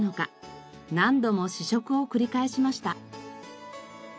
何度も試食を繰り返しました。